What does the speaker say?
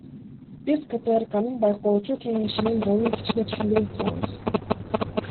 Биз КТРКнын байкоочу кеңешинин ролун кичине түшүнбөй турабыз.